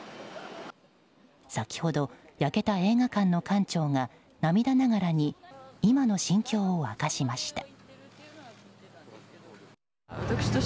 先ほど、焼けた映画館の館長が涙ながらに今の心境を明かしました。